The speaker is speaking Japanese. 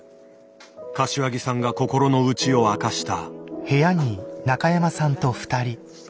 柏木さんが心の内を明かした。